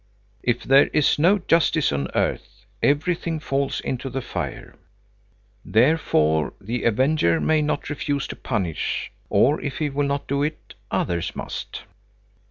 "If there is no justice on earth, everything falls into the fire. Therefore the avenger may not refuse to punish, or if he will not do it, others must."